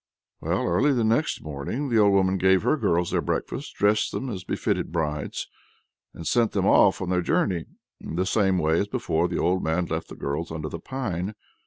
Well, early next morning the old woman gave her girls their breakfast, dressed them as befitted brides, and sent them off on their journey. In the same way as before the old man left the girls under the pine.